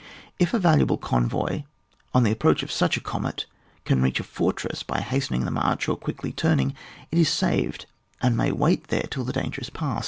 If a valuable convoy, on the approach of such a comet, can reach a fortress by hastening the march or quickly turning, it is saved, and may wait there till the danger is past.